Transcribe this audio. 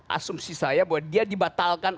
asumsi saya bahwa dia dibatalkan